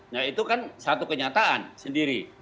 nah itu kan satu kenyataan sendiri